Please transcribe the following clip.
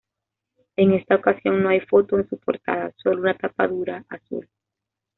En esta ocasión no hay foto en su portada, solo una tapa dura azul.